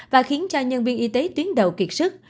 và khiến cho nhân viên y tế tuyến đầu kiệt sức